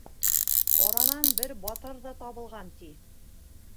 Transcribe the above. Аранан бер батыр ҙа табылған, ти.